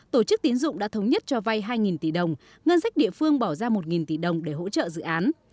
tổ chức tín dụng đã thống nhất cho vay hai tỷ đồng ngân sách địa phương bỏ ra một tỷ đồng để hỗ trợ dự án